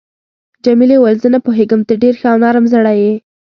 جميلې وويل: زه پوهیږم ته ډېر ښه او نرم زړی یې.